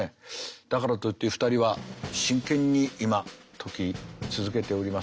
だからといって２人は真剣に今解き続けております。